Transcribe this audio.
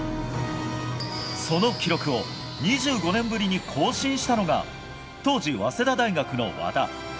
その記録を２５年ぶりに更新したのが当時、早稲田大学の和田。